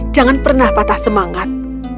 jangan pernah patah semangat